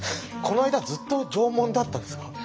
この間ずっと縄文だったんですか？